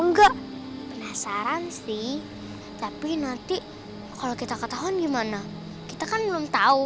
enggak penasaran sih tapi nanti kalau kita ke tahun gimana kita kan belum tahu